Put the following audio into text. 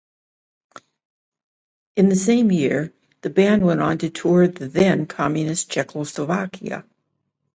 In the same year, the band went on a tour to then-Communist Czechoslovakia.